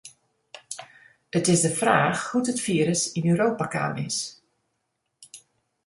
It is de fraach hoe't it firus yn Europa kaam is.